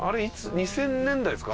２０００年代ですか？